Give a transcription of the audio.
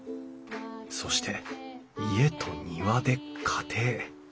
そして「家」と「庭」で家庭。